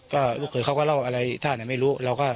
ก็เขาเล่าอะไรไม่รู้